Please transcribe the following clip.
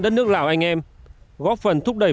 đất nước lào anh em góp phần thúc đẩy